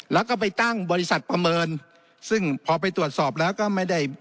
แล้วก็ไปตั้งบริษัทประเมินซึ่งพอไปตรวจสอบแล้วก็ไม่ได้